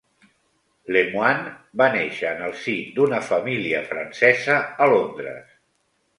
Lemoinne va néixer en el si d'una família francesa a Londres.